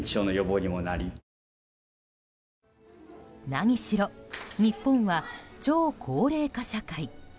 何しろ、日本は超高齢化社会。